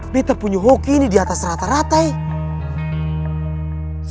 betta punya hoki ini di atas rata rata eh